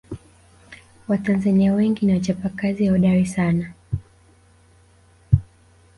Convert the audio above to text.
watanzania wengi ni wachapakazi hodari sana